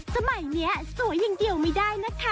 สมัยนี้สวยอย่างเดียวไม่ได้นะคะ